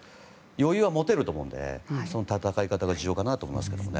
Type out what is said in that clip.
余裕は持てると思うのでその戦い方が重要かと思います。